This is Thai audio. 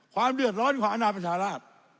ความเดือดร้อนของอนาประชาราช